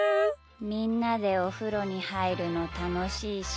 みんなでおふろにはいるのたのしいし。